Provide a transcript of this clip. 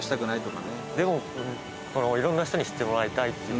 横尾：でも、いろんな人に知ってもらいたいって。